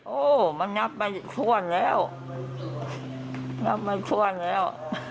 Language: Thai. โอ้มันนับไปถ้วนแล้ว